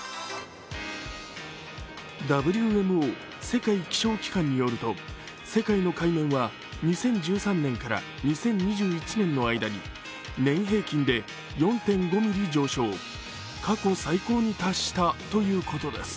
ＷＭＯ＝世界気象機関によると、世界の海面は２０１３年から２０２１年の間に年平均で４．５ミリ上昇、過去最高に達したということです。